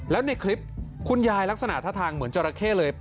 แล้วในคลิปคุณยายลักษณะท่าทางเหมือนจราเข้เลย